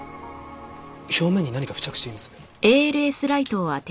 表面に何か付着しています。